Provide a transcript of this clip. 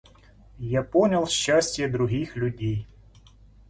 Я понял счастье других людей.